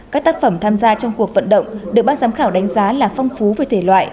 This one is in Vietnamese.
các tác phẩm tham gia trong cuộc vận động được ban giám khảo đánh giá là phong phú về thể loại